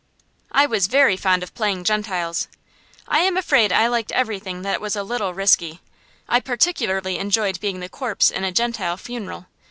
I was very fond of playing Gentiles. I am afraid I liked everything that was a little risky. I particularly enjoyed being the corpse in a Gentile funeral.